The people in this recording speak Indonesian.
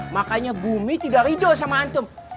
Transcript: makanya bumi tidak ridho sama antum